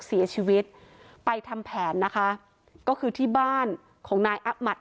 เสียชีวิตไปทำแผนนะคะก็คือที่บ้านของนายอหมัด